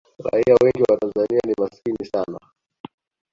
raia wengi wa tanzania ni masikini sana